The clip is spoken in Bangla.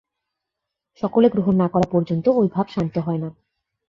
সকলে গ্রহণ না করা পর্যন্ত ঐ ভাব শান্ত হয় না।